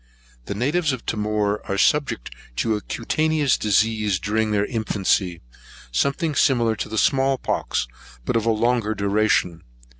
The natives of Timor are subject to a cutaneous disease during their infancy, something similar to the small pox, but of longer duration.